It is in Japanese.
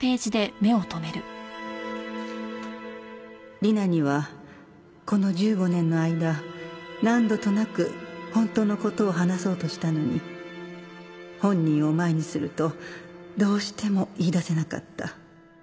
「理奈にはこの１５年の間何度となく本当のことを話そうとしたのに本人を前にするとどうしても言い出せなかった」